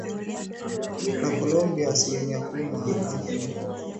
na Colombia asilimia kumi halafu Venezuela Ecuador